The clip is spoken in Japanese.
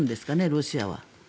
ロシアは。